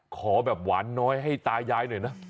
ขอแบบหวานน้อยให้ตายายหน่อยนะ